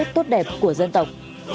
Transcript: tinh thần đoàn kết tốt đẹp của dân tộc